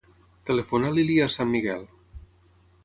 Telefona a l'Ilías San Miguel.